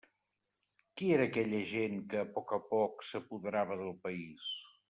Qui era aquella gent que a poc a poc s'apoderava del país?